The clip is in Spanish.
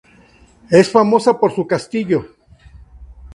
Es famosa por su castillo.